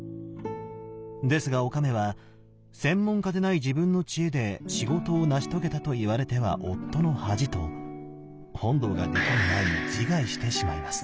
ですがおかめは「専門家でない自分の知恵で仕事を成し遂げたと言われては夫の恥」と本堂が出来る前に自害してしまいます。